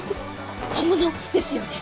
本物ですよね